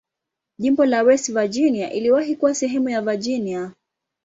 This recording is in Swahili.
Jimbo la West Virginia iliwahi kuwa sehemu ya Virginia.